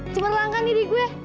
cepat langkah nih di gue